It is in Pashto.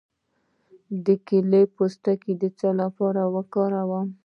د کیلې پوستکی د څه لپاره وکاروم؟